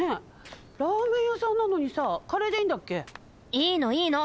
いいのいいの！